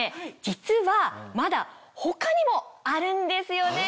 実はまだ他にもあるんですよね